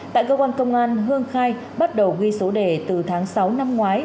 tại cơ quan công an hương khai bắt đầu ghi số đề từ tháng sáu năm ngoái